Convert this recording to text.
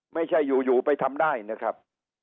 ไม่ใช่อยู่ไปทำได้นะครับ